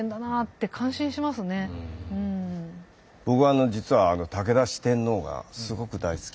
僕は実は武田四天王がすごく大好き。